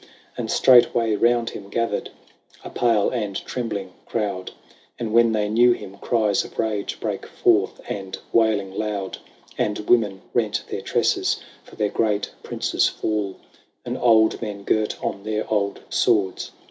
Iljif And straightway round him gathered A pale and trembling crowd, And when they knew him, cries of rag Brake forth, and wailing loud : And women rent their tresses For their great prince's fall ; And old men girt on their old swords.